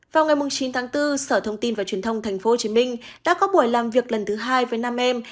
vào ngày chín tháng bốn sở thông tin và truyền thông tp hcm đã có buổi làm việc lần thứ hai với nam em